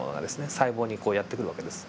細胞にやって来る訳です。